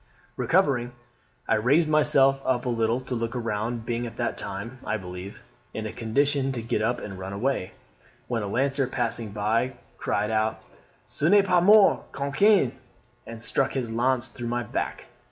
"Recovering, I raised myself a little to look round, being at that time, I believe, in a condition to get up and run away; when a lancer passing by, cried out, 'Tu n'est pas mort, coquin!' and struck his lance through my back.